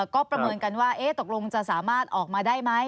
ก็ประเมินกันว่าตกลงจะสามารถออกมาได้ไหม